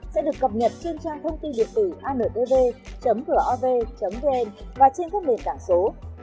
sẽ được cập nhật trên trang thông tin điện tử antv gov vn và trên các nền tảng số